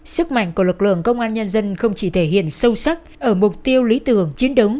sức mạnh của lực lượng công an nhân dân không chỉ thể hiện sâu sắc ở mục tiêu lý tưởng chiến đấu